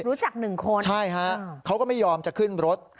รู้จัก๑คนใช่ครับเขาก็ไม่ยอมจะขึ้นรถ